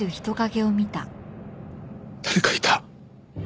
誰かいた！